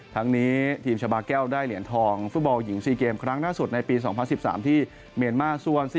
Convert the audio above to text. ทั้งนี้ทีมชาบาแก้วได้เหรียญทองฟุตบอลหญิง๔เกมครั้งล่าสุดในปี๒๐๑๓ที่เมียนมา